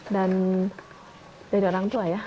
dari orang tua ya